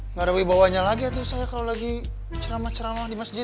nggak ada wibawanya lagi atau saya kalau lagi ceramah ceramah di masjid